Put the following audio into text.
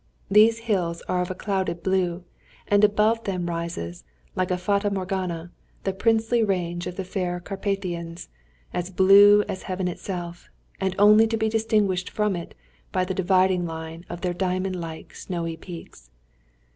These hills are of a clouded blue, and above them rises, like a fata Morgana, the princely range of the fair Carpathians, as blue as heaven itself, and only to be distinguished from it by the dividing line of their diamond like snowy peaks.